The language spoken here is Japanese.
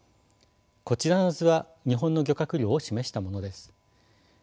こちらの図は日本の漁獲量を示したものです。